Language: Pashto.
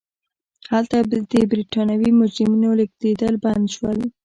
هلته د برېټانوي مجرمینو لېږدېدل بند شول.